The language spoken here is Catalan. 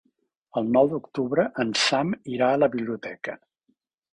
El nou d'octubre en Sam irà a la biblioteca.